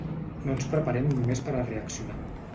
No ens preparem només per a reaccionar.